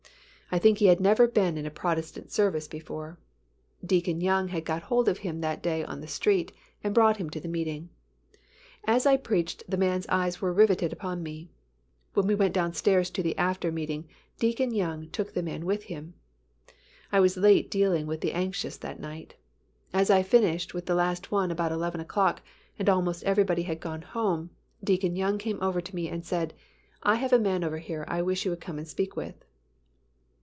I think he had never been in a Protestant service before. Deacon Young had got hold of him that day on the street and brought him to the meeting. As I preached the man's eyes were riveted upon me. When we went down stairs to the after meeting, Deacon Young took the man with him. I was late dealing with the anxious that night. As I finished with the last one about eleven o'clock, and almost everybody had gone home, Deacon Young came over to me and said, "I have a man over here I wish you would come and speak with."